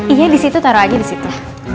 iya di situ taruh aja di situ